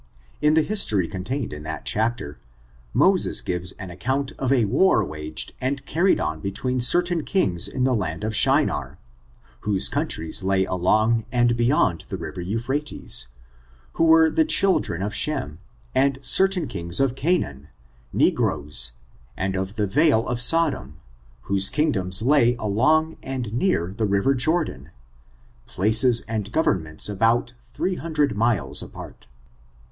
In the his tory contained in that chapter, Moses gives an ac count of a war waged and carried on between cer tain kings of the land of Shinar, whose countries lay along and beyond the river Euphrates, who were the children of Shem, and certain kings of Canaan, ne groes, and of the vale of Sodom, whose kingdoms lay , I ^^ f i 230 ORIGIN, CHARACTER, AND : along and near the river Jordan, places and goTem ments about three hundred miles apart.